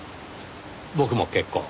僕も結構。